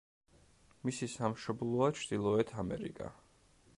მისი სამშობლოა ჩრდილოეთ ამერიკა.